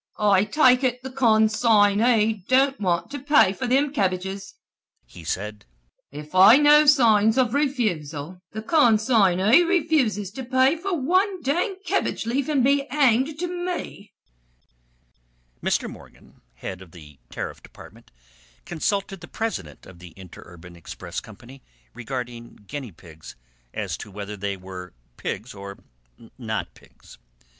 "I take ut the con sign y don't want to pay for thim kebbages," he said. "If I know signs of refusal, the con sign y refuses to pay for wan dang kebbage leaf an' be hanged to me!" Mr. Morgan, the head of the Tariff Department, consulted the president of the Interurban Express Company regarding guinea pigs, as to whether they were pigs or not pigs.